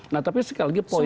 nah tapi sekali lagi poin